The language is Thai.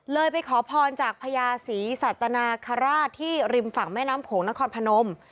ไปขอพรจากพญาศรีสัตนาคาราชที่ริมฝั่งแม่น้ำโขงนครพนม